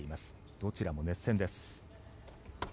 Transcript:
どちらも熱戦です。